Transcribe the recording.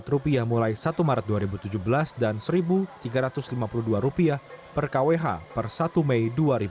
rp seratus mulai satu maret dua ribu tujuh belas dan rp satu tiga ratus lima puluh dua per kwh per satu mei dua ribu tujuh belas